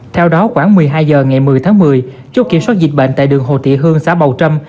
theo đó khoảng một mươi hai h ngày một mươi tháng một mươi chốt kiểm soát dịch bệnh tại đường hồ thị hương xã bầu trâm